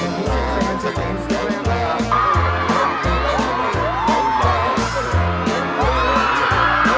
อันที่สุดท้ายก็คือเพราะว่ามันเป็นแบบที่สุดท้าย